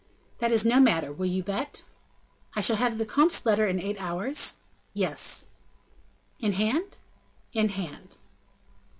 "That is no matter. Will you bet?" "I shall have the comte's letter in eight hours?" "Yes." "In hand?" "In hand."